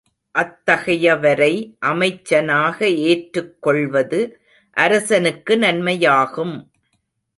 அத்தகையவரை அமைச்சனாக ஏற்றுக்கொள்வது அரசனுக்கு நன்மையாகும்.